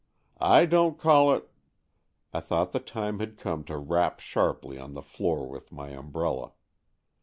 " I don't call it " I thought the time had come to rap sharply on the floor with my umbrella.